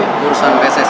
oh urusan presesi